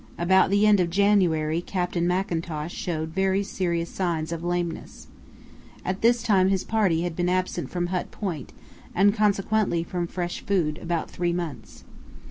About the end of January Captain Mackintosh showed very serious signs of lameness. At this time his party had been absent from Hut Point, and consequently from fresh food, about three months.